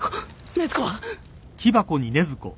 禰豆子は！？